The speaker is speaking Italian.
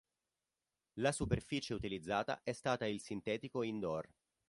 La superficie utilizzata è stata il sintetico indoor.